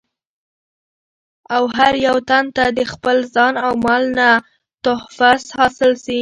او هر يو تن ته دخپل ځان او مال نه تحفظ حاصل سي